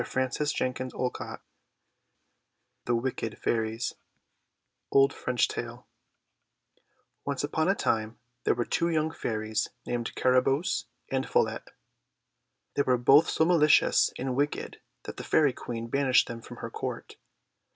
THE WICKED FAIRIES 283 THE WICKED FAIRIES Old French Tale ONCE upon a time, there were two young Fairies named Carabosse and Follette. They were both so malicious and wicked that the Fairy Queen banished them from her Court.